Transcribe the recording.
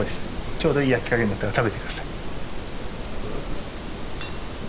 ちょうどいい焼き加減になったら食べて下さい。